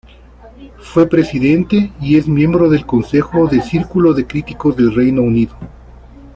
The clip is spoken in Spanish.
Fue presidente, y es miembro de concejo del Círculo de Críticos de Reino Unido.